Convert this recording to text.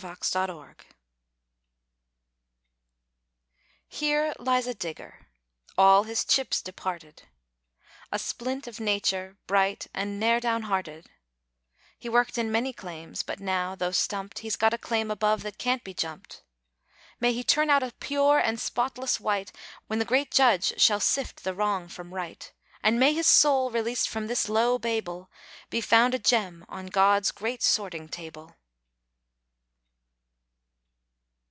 _ Here lies a digger, all his chips departed A splint of nature, bright, and ne'er down hearted: He worked in many claims, but now (though stumped) He's got a claim above that can't be jumped. May he turn out a pure and spotless "wight," When the Great Judge shall sift the wrong from right, And may his soul, released from this low Babel, Be found a gem on God's great sorting table.